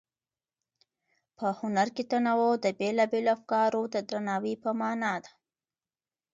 په هنر کې تنوع د بېلابېلو افکارو د درناوي په مانا ده.